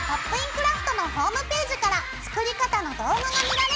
クラフト」のホームページから作り方の動画が見られるよ。